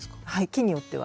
木によっては。